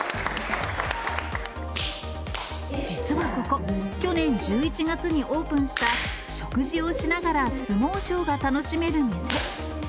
実はここ、去年１１月にオープンした、食事をしながら相撲ショーが楽しめる店。